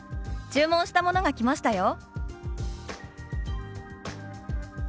注文したものが来ましたよ」。